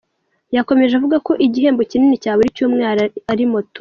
Yakomeje avuga ko igihembo kinini cya buri cyumweru ari moto.